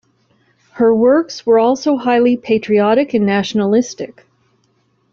Her works were also highly patriotic and nationalistic.